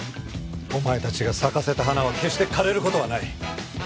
お前たちが咲かせた花は決して枯れる事はない。